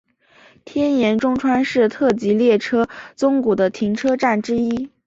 天盐中川是特急列车宗谷的停车站之一。